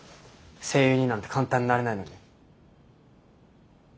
声優になんて簡単になれないのに。